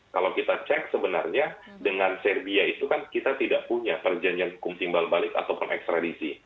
kalau kita cek sebenarnya dengan serbia itu kan kita tidak punya perjanjian hukum timbal balik ataupun ekstradisi